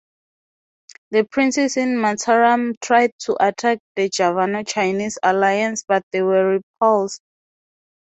The princes in Mataram tried to attack the Javano-Chinese alliance but they were repulsed.